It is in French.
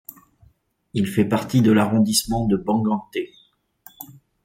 Il fait partie de l'arrondissement de Bangangté.